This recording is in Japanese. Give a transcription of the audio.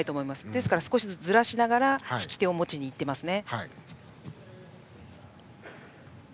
ですから、ずらしながら引き手を持ちに行っていますね。